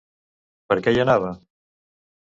Per què hi anava?